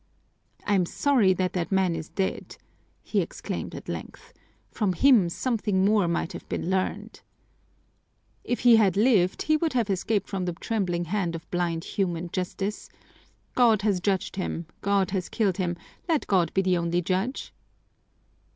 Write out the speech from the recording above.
"I'm sorry that that man is dead!" he exclaimed at length. "From him something more might have been learned." "If he had lived, he would have escaped from the trembling hand of blind human justice. God has judged him, God has killed him, let God be the only Judge!"